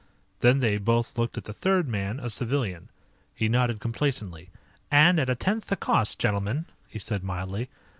Then they both looked at the third man, a civilian. He nodded complacently. "And at a tenth the cost, gentlemen," he said mildly.